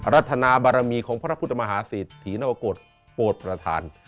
รัฐนาบารมีของพระพุทธมหาเสถียรัวโกรธโปรดประทาน